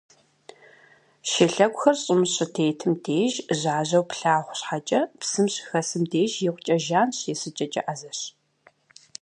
Шылъэгухэр щӏым щытетым деж жьажьэу плъагъу щхьэкӏэ, псым щыхэсым деж икъукӏэ жанщ, есыкӏэкӏэ ӏэзэщ.